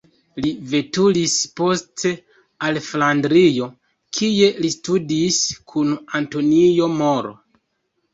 Li veturis poste al Flandrio, kie li studis kun Antonio Moro.